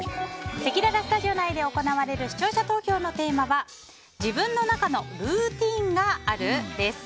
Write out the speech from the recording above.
せきららスタジオ内で行われる視聴者投票のテーマは自分の中のルーティンがある？です。